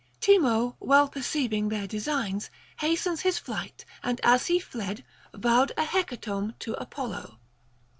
Temo well perceiving their designs, hastens his flight, and as he fled, vowed a hecatomb to Apollo.